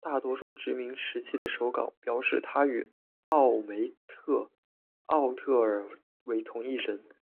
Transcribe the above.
大多数殖民时期的手稿表示她与奥梅特奥特尔为同一神。